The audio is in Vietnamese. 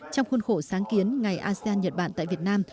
trong khuôn khổ sáng kiến ngày asean nhật bản tại việt nam